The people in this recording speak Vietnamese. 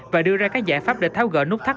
và đưa ra các giải pháp để tháo gỡ nút thắt